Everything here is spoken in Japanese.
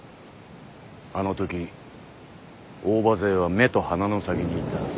あの時大庭勢は目と鼻の先にいた。